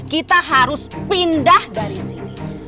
kita harus pindah dari sini